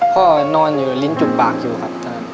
พ่อนอนอยู่ลิ้นจุกบากอยู่ครับ